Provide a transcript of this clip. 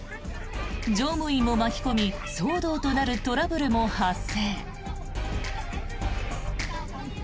乗務員も巻き込み、騒動となるトラブルも発生。